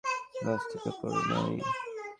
গাছ থেকে পড়লো না কি?